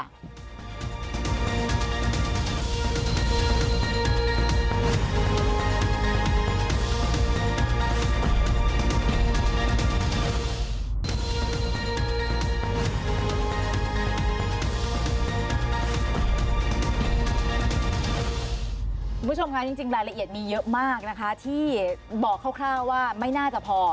คุณผู้ชมคะจริงรายละเอียดมีเยอะมากนะคะที่บอกคร่าวว่าไม่น่าจะพอ